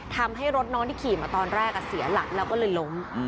ทำให้รถน้องที่ขี่มาตอนแรกเสียหลักแล้วก็เลยล้ม